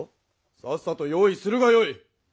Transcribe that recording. さっさと用意するがよい。